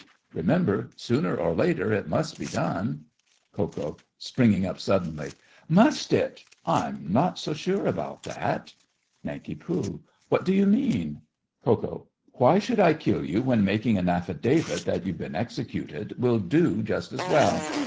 Remember, sooner or later it must be done. KO. (springing up suddenly). Must it? I'm not so sure about that! NANK. What do you mean? KO. Why should I kill you when making an affidavit that you've been executed will do just as well?